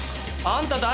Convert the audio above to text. あんた誰？